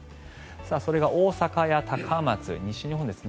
それが大阪や高松、西日本ですね